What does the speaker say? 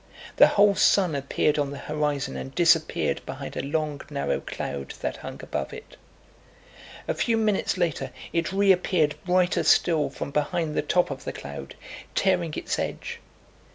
The whole sun appeared on the horizon and disappeared behind a long narrow cloud that hung above it. A few minutes later it reappeared brighter still from behind the top of the cloud, tearing its edge.